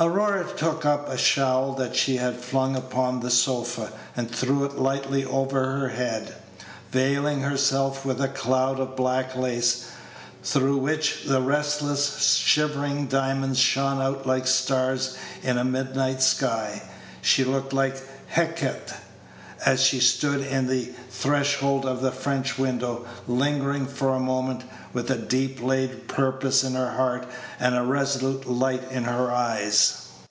Aurora took up a shawl that she had flung upon the sofa, and threw it lightly over her head, veiling herself with a cloud of black lace, through which the restless, shivering Page 118 diamonds shone out like stars in a midnight sky. She looked like Hecate, as she stood on the threshold of the French window, lingering for a moment, with a deep laid purpose in her heart, and a resolute light in her eyes.